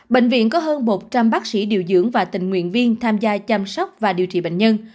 bệnh viện có hơn một trăm linh bác sĩ điều dưỡng và tình nguyện viên tham gia chăm sóc và điều trị bệnh nhân